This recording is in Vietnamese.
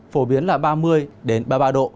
phổ biến là ba mươi ba mươi ba độ